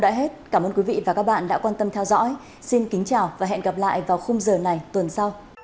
đối với các đơn vị và cán bộ chiến sĩ đóng quân tại bốn mươi bảy phạm văn đồng